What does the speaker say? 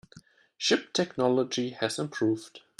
Ship technology has improved.